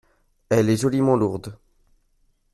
Elle est joliment lourde.